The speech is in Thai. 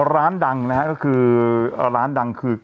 ร้านดังนะคะคือ